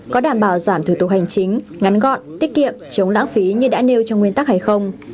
có đảm bảo giảm thủ tục hành chính ngắn gọn tiết kiệm chống lãng phí như đã nêu trong nguyên tắc hay không